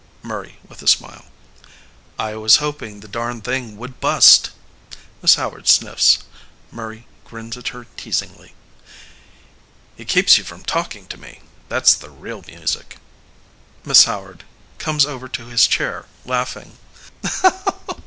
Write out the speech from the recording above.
MURRAY (with a smile.} I was hoping the darn thing would bust. (Miss Howard sniffs. Murray grins at her teasingly.} It keeps you from talking to me. That s the real music. MISS HOWARD (comes over to his chair laughing).